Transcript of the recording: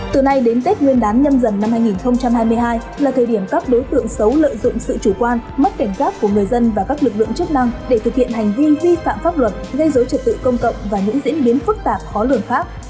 từ nay đến tết nguyên đán nhâm dần năm hai nghìn hai mươi hai là thời điểm các đối tượng xấu lợi dụng sự chủ quan mất cảnh giác của người dân và các lực lượng chức năng để thực hiện hành vi vi phạm pháp luật gây dối trật tự công cộng và những diễn biến phức tạp khó lường khác